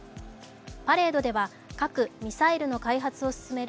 パレードでは核・ミサイルの開発を進める